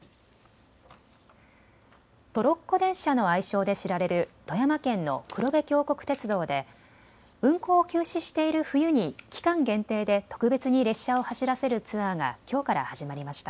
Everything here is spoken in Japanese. トロッコ電車の愛称で知られる富山県の黒部峡谷鉄道で運行を休止している冬に期間限定で特別に列車を走らせるツアーがきょうから始まりました。